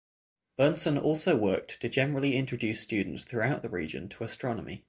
Bernson also worked to generally introduce students throughout the region to astronomy.